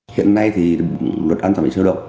hiện nay thì luật an toàn bị sơ động